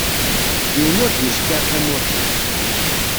Yiwen ur d-yeckiṛ tamurt-iw.